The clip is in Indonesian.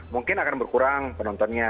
mungkin akan berkurang penontonnya